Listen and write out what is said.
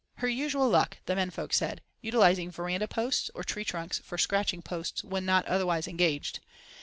"Her usual luck!" the men folk said, utilising verandah posts or tree trunks for scratching posts when not otherwise engaged.